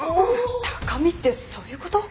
高みってそういうこと？